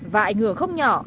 và ảnh hưởng không nhỏ